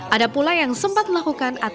ada pula yang sempat melakukan aktivitas